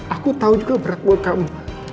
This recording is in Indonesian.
aku tahu juga berat buat kamu